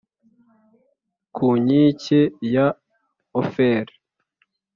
ku nkike ya Ofeli